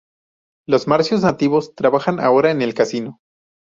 Los marcianos nativos trabajan ahora en el casino.